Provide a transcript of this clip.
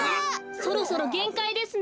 そろそろげんかいですね。